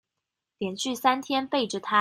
連續三天背著她